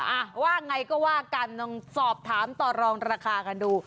อ่ะว่าไงก็ว่ากันลองสอบถามต่อรองราคากันดู